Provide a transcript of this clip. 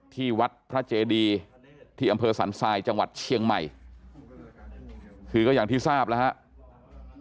ที่วัดพระเจดีที่อำเภอสันทรายจังหวัดเชียงใหม่คือก็อย่างที่ทราบแล้วครับ